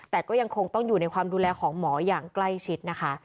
แต่ก็ยังคงต้องอยู่ในความดูแลของหมออย่างใกล้ชิดนะคะ